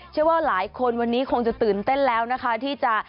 เชื่อว่าหลายคนวันนี้คงจะตื่นเต้นแล้วนะคะที่จะ